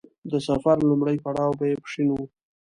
د سفر لومړی پړاو به يې پښين و.